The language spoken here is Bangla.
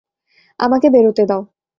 আমাকে বেরোতে দাও!